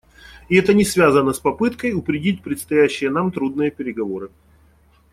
И это не связано с попыткой упредить предстоящие нам трудные переговоры.